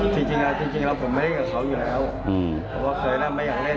จริงแล้วผมไม่ได้เล่นกับเขาอยู่แล้วเพราะว่าเคยเล่นไม่อยากเล่น